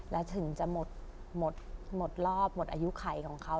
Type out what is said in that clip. และถึงจะหมดรอบหมดอายุไขของเขา